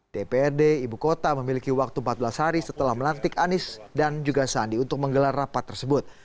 dprd ibu kota memiliki waktu empat belas hari setelah melantik anies dan juga sandi untuk menggelar rapat tersebut